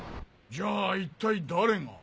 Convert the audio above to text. じゃあ一体誰が？